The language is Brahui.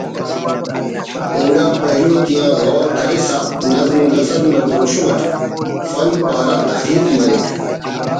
انگا پہلو تیا غور کرسا نظم و نثر نا دروشم اٹ فن پارہ تخلیق مریک